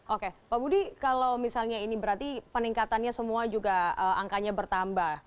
oke pak budi kalau misalnya ini berarti peningkatannya semua juga angkanya bertambah